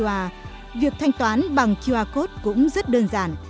ngoài việc thanh toán bằng qr code cũng rất đơn giản